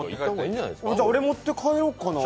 じゃあ、俺持って帰ろうかな